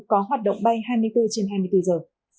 có hoạt động bay hai mươi bốn trên hai mươi bốn giờ